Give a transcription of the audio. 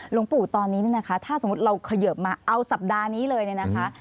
หลวงปู่ตอนนี้เนี่ยนะคะถ้าสมมุติเราเขยิบมาเอาสัปดาห์นี้เลยเนี่ยนะคะ